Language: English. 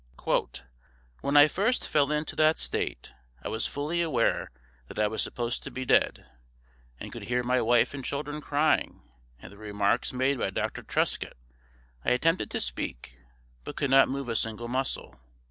"When I first fell into that state I was fully aware that I was supposed to be dead, and could hear my wife and children crying, and the remarks made by Dr. Truscott. I attempted to speak, but could not move a single muscle.